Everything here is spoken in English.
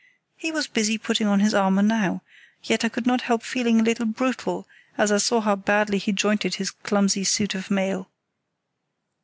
He was busy putting on this armour now; yet I could not help feeling a little brutal as I saw how badly he jointed his clumsy suit of mail.